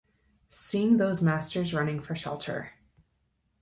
Seeing those masters running for shelter.